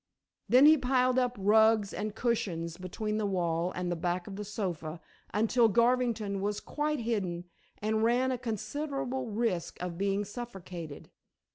Then he piled up rugs and cushions between the wall and the back of the sofa until Garvington was quite hidden and ran a considerable risk of being suffocated.